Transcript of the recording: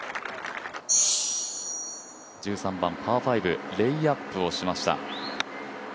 １３番、パー５、レイアップをしました